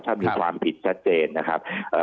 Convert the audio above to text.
ถ้ามีความผิดชัดเจนนะครับ